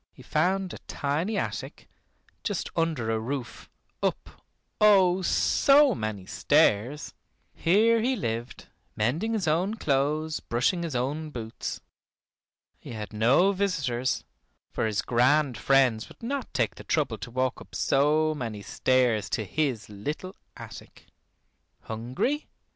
He found a tiny attic, just under a roof, up, oh! so many stairs. Here he lived, mending his own clothes, brushing his own boots. He had no visitors, for his grand friends would not take the trouble to walk up so many stairs to his little attic. Hungry?